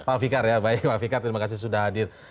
pak fikar ya baik pak fikar terima kasih sudah hadir